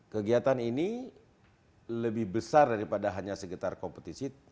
kegiatan ini lebih besar daripada hanya sekitar kompetisi